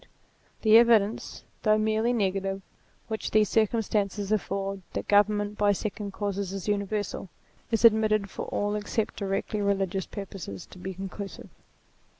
234 THEISM The evidence, though merely negative, which these circumstances afford that government by second causes is universal, is admitted for all except directly religious purposes to be conclusive.